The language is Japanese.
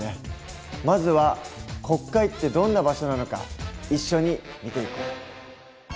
まずは国会ってどんな場所なのか一緒に見ていこう。